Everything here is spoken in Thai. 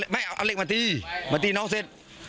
ไม่เอาเหล็กมาตีมาตีน้องเสร็จ